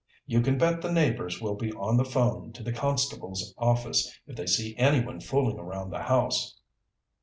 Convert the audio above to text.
You can bet the neighbors will be on the phone to the constable's office if they see anyone fooling around the house."